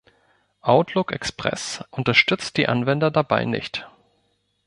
Outlook Express unterstützt die Anwender dabei nicht.